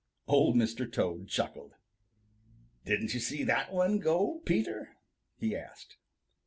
Old Mr. Toad chuckled. "Didn't you see that one go, Peter?" he asked.